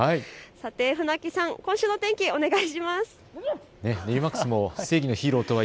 船木さん、今週の天気、お願いします。